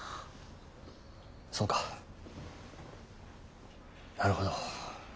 そうかなるほど。